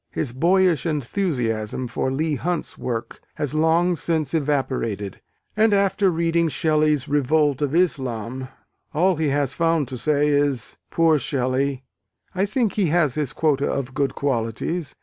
His boyish enthusiasm for Leigh Hunt's work has long since evaporated: and after reading Shelley's Revolt of Islam, all he has found to say is, "Poor Shelley, I think he has his quota of good qualities!"